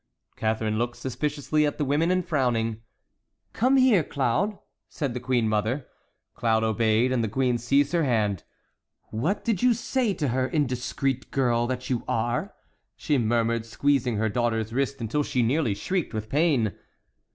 Catharine looked suspiciously at the women and frowning: "Come here, Claude," said the queen mother. Claude obeyed, and the queen seized her hand. "What did you say to her, indiscreet girl that you are?" she murmured, squeezing her daughter's wrist until she nearly shrieked with pain.